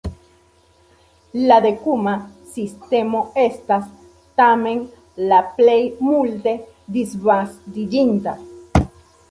La dekuma sistemo estas tamen la plej multe disvastiĝinta.